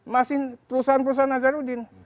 masih perusahaan perusahaan nazaruddin